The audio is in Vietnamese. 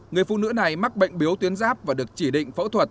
người phụ nữ này mắc bệnh biếu tuyến giáp và được chỉ định phẫu thuật